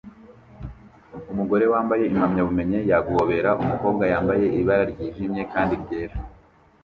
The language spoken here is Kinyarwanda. Umugore wambaye impamyabumenyi ya guhobera umukobwa yambaye ibara ryijimye kandi ryera